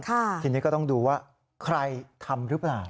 ทีนี้ก็ต้องดูว่าใครทำหรือเปล่า